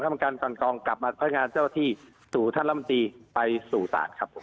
กลับมาพนักงานเจ้าที่สู่ท่านรัฐมนตรีไปสู่สารครับ